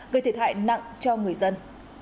gây thiệt hại nặng cho người dân